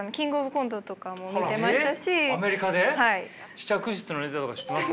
試着室のネタとか知ってます？